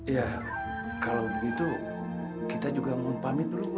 ya kalau begitu kita juga mau pamit dulu